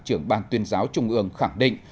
trưởng ban tuyên giáo trung ương khẳng định